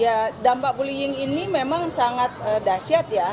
ya dampak bullying ini memang sangat dahsyat ya